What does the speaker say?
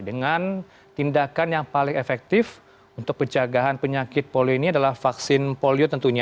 dengan tindakan yang paling efektif untuk penjagaan penyakit polio ini adalah vaksin polio tentunya